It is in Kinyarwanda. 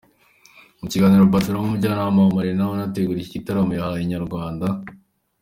Mu kiganiro BadRama umujyanama wa Marina unategura iki gitaramo yahaye Inyarwanda.